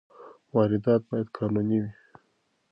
واردات باید قانوني وي.